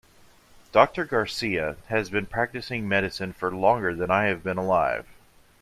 Doctor Garcia has been practicing medicine for longer than I have been alive.